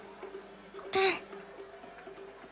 うん。